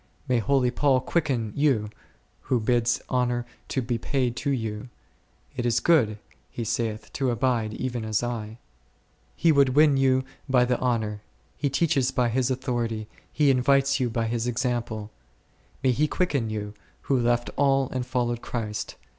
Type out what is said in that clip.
May holy Paul quicken you, who bids honour to be paid to you ; it is good, he saith, to abide even as I. He would win vou bv the honour, he teaches by his authority, he invites you by his example. May he quicken you, who left all and followed Christ!